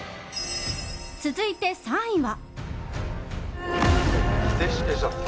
続いて３位は。